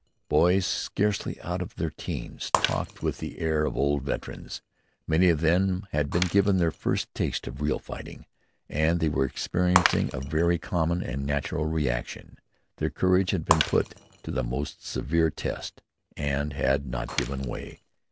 Boys scarcely out of their 'teens talked with the air of old veterans. Many of them had been given their first taste of real fighting, and they were experiencing a very common and natural reaction. Their courage had been put to the most severe test and had not given way.